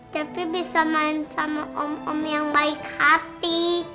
tapi bisa main sama om om yang baik hati